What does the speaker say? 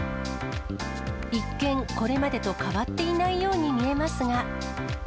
一見、これまでと変わっていないように見えますが。